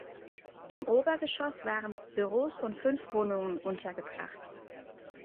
Im Obergeschoss waren Büros und fünf Wohnungen untergebracht.